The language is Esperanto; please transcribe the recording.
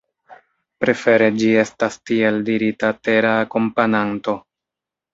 Prefere ĝi estas tiel dirita tera akompananto.